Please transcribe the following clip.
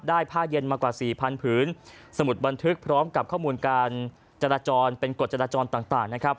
ผ้าเย็นมากว่าสี่พันผืนสมุดบันทึกพร้อมกับข้อมูลการจราจรเป็นกฎจราจรต่างนะครับ